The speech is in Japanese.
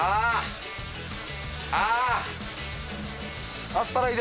ああ。